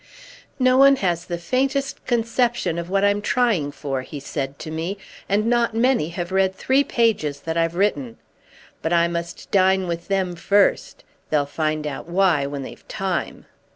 "No one has the faintest conception of what I'm trying for," he said to me, "and not many have read three pages that I've written; but I must dine with them first—they'll find out why when they've time."